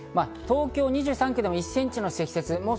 東京２３区でも１ｃｍの積雪が。